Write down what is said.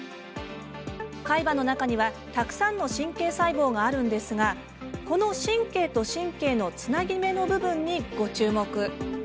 海馬の中には、たくさんの神経細胞があるんですがこの神経と神経のつなぎ目の部分にご注目。